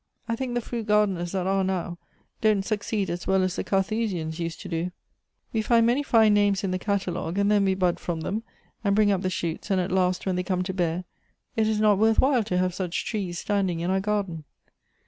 I think the fruit gardeners that are now don't succeed as well as the Carthusians used to do. We find many fine Elective Affinities. 141 names in the catalogue, and then wo bud from them, and bring up the shoots, and, at last, when they come to bear, it is not worth while to have such trees standing in our garden."